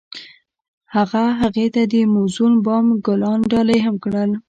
هغه هغې ته د موزون بام ګلان ډالۍ هم کړل.